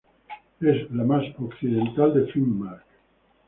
Es la más occidental de Finnmark.